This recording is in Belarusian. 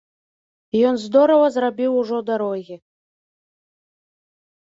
Ён здорава зрабіў ужо дарогі.